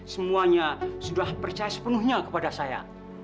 semuanya sudah percaya sepenuhnya kepada saya